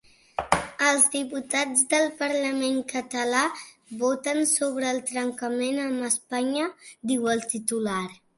Els diputats del parlament català voten sobre el trencament amb Espanya, diu el titular.